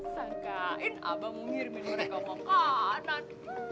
sangkain abang mau ngirimin mereka makanan